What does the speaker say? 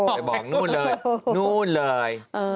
ไปบอกนู่นเลยนู่นเลย